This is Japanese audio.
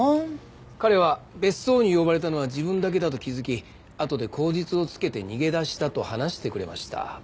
彼は別荘に呼ばれたのは自分だけだと気づきあとで口実をつけて逃げ出したと話してくれました。